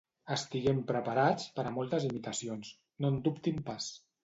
Estiguem preparats per a moltes imitacions, no en dubtin pas.